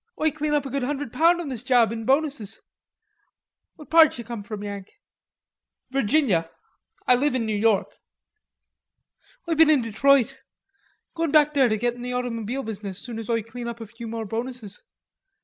Oi clane up a good hundre' pound on this job in bonuses. What part d'ye come from, Yank?" "Virginia. I live in New York." "Oi been in Detroit; goin' back there to git in the automoebile business soon as Oi clane up a few more bonuses.